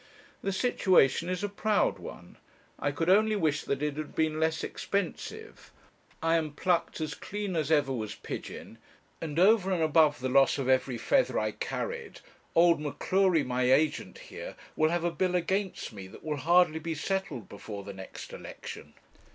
The situation is a proud one; I could only wish that it had been less expensive. I am plucked as clean as ever was pigeon; and over and above the loss of every feather I carried, old M'Cleury, my agent here, will have a bill against me that will hardly be settled before the next election.